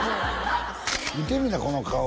見てみいなこの顔